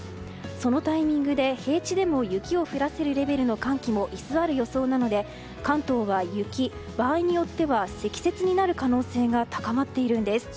そのタイミングで、平地でも雪を降らせるレベルの寒気も居座る予想なので関東は雪場合によっては積雪になる可能性が高まっているんです。